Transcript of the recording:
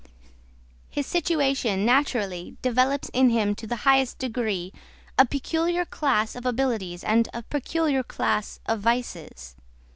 His situation naturally developes in him to the highest degree a peculiar class of abilities and a peculiar class of vices.